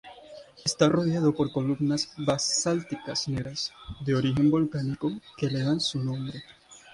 Está rodeada por columnas basálticas negras, de origen volcánico, que le dan su nombre.